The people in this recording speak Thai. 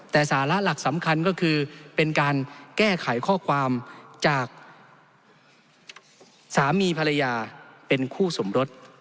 แต่สาระหลักสำคัญก็คือเป็นการแก้ไขข้อความจากสามีภรรยาเป็นคู่สมรส